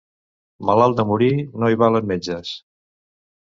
Malalt de morir, no hi valen metges.